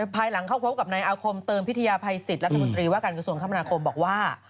ภายหลังเข้าพบกับนายอาคมเติมพิทยาภัยสิทธิรัฐมนตรีว่าการกระทรวงคมนาคมบอกว่า